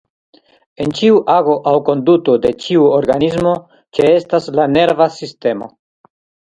En ĉiu ago aŭ konduto de ĉiu organismo ĉeestas la nerva sistemo.